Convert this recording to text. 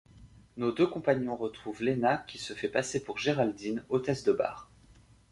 Nos deux compagnons retrouvent Lena qui se fait passer pour Geraldine, hotesse de bar.